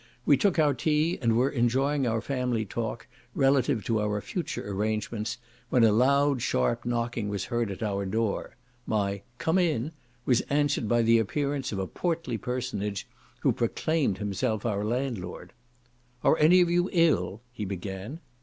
We took our tea, and were enjoying our family talk, relative to our future arrangements, when a loud sharp knocking was heard at our door. My "come in," was answered by the appearance of a portly personage, who proclaimed himself our landlord. "Are any of you ill?" he began.